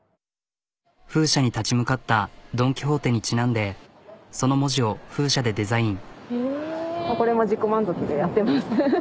風車に立ち向かったドン・キホーテにちなんでその文字を風車でデザイン。